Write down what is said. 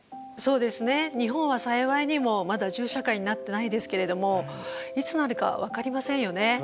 そうですね日本は幸いにもまだ銃社会になってないですけれどもいつなるか分かりませんよね。